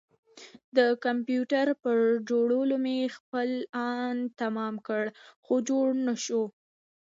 د کمپيوټر پر جوړولو مې خپل ان تمام کړ خو جوړ نه شو.